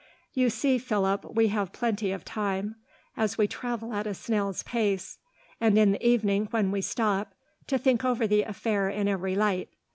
"You see, Philip, we have plenty of time, as we travel at a snail's pace, and in the evening when we stop, to think over the affair in every light.